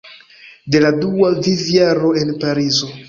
De la dua vivjaro en Parizo.